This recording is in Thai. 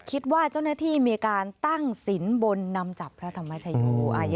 คิดว่าเจ้าหน้าที่มีการตั้งสินบนนำจับพระธรรมชโย